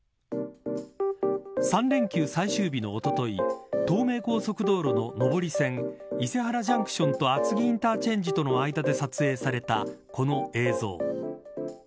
３連休最終日のおととい東名高速道路の上り線伊勢原ジャンクションと厚木インターチェンジの間で撮影されたこの映像。